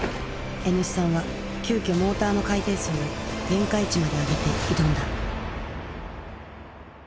Ｎ産は急きょモーターの回転数を限界値まで上げて挑んだ。